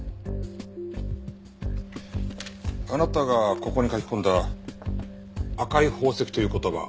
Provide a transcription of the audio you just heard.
あなたがここに書き込んだ「赤い宝石」という言葉。